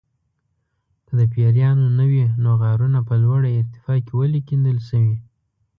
که د پیریانو نه وي نو غارونه په لوړه ارتفاع کې ولې کیندل شوي.